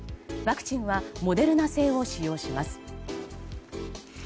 ワクチンはモデルナ製を使用します。